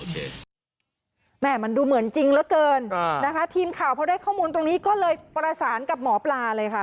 ทีมข่าวพอได้ข้อมูลตรงนี้ก็เลยประสานกับหมอปลาเลยค่ะ